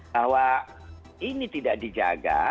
bahwa ini tidak dijaga